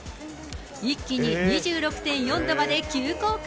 一気に２６．４度まで急降下。